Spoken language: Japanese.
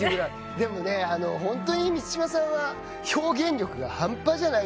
でもホントに満島さんは表現力が半端じゃないですから。